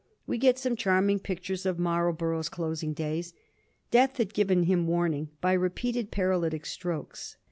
We get some charming pictures of Marlborough's closing days. Death had given him warning by repeated paralytic strokes.